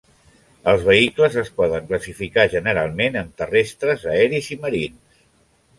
Els vehicles es poden classificar generalment en terrestres, aeris i marins.